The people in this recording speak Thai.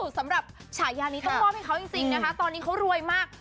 สำหรับฉายานี้ต้องมอบให้เขาจริงนะคะตอนนี้เขารวยมาก